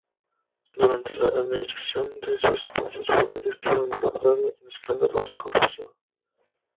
Durante la administración de su esposo, su familia estuvo involucrada en escándalos de corrupción.